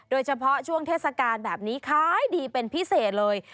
โดยเฉพาะช่วงเทศกาลแบบนี้ขายดีเป็นพิเศษเลย